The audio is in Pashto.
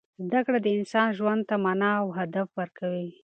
زده کړه د انسان ژوند ته مانا او هدف ورکوي.